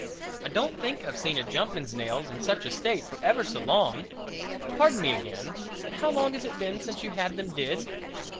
I don't think I've seen a jumpman's nails in such a state for ever so long. Pardon me again but how long has it been since you had them did?"